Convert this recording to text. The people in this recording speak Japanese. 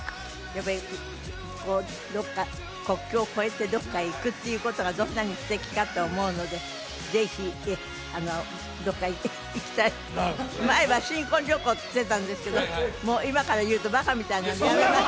やっぱりこう国境を越えてどっかへ行くっていうことがどんなに素敵かと思うのでぜひどっか行きたい前は新婚旅行って言ってたんですけどもう今から言うとバカみたいなんでやめます